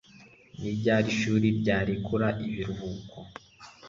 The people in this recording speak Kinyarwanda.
ni ryari ishuri ryarekura ibiruhuko